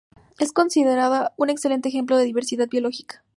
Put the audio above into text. Es considerada un excelente ejemplo de diversidad biológica.